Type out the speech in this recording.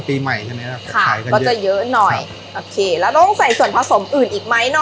ไปใส่มั่นหมูอยู่ประมาณ๑๐นาที